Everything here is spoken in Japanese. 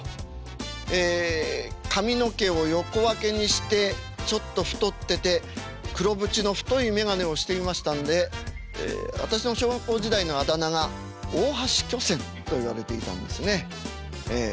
ええ髪の毛を横分けにしてちょっと太ってて黒縁の太い眼鏡をしていましたんで私の小学校時代のあだ名が「大橋巨泉」といわれていたんですねええ。